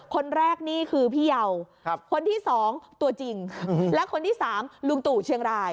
คนแรกนี่คือพี่เยาคนที่๒ตัวจริงและคนที่๓ลุงตู่เชียงราย